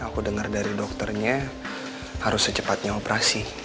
aku dengar dari dokternya harus secepatnya operasi